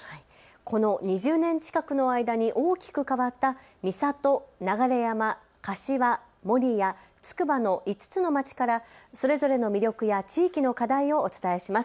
この２０年近くの間に大きく変わった三郷、流山、柏、守谷つくば５つの街からそれぞれの魅力や地域の課題をお伝えします。